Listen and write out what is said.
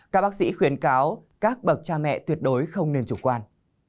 các bác sĩ khuyến cáo các bậc cha mẹ tuyệt đối không nên chủ quan